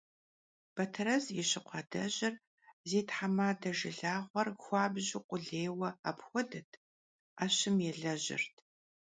Beterez yi şıkhu adejır zi themade jjılağuer xuabju khulêyue apxuedet, 'eşım yêlejırt.